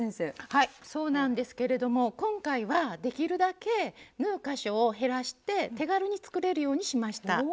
はいそうなんですけれども今回はできるだけ縫う箇所を減らして手軽に作れるようにしました。